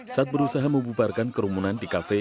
saat berusaha membubarkan kerumunan di kafe